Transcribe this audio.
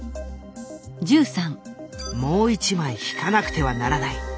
もう一枚引かなくてはならない。